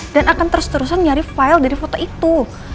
dan akan terus terusan nyari file dari foto itu